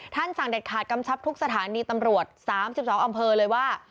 สั่งเด็ดขาดกำชับทุกสถานีตำรวจ๓๒อำเภอเลยว่า